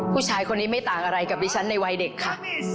ผู้ชายคนนี้ไม่ต่างอะไรกับดิฉันในวัยเด็กค่ะ